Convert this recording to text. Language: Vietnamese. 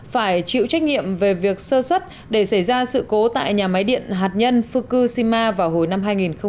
phải chịu trách nhiệm về việc sơ xuất để xảy ra sự cố tại nhà máy điện hạt nhân fukushima vào hồi năm hai nghìn một mươi năm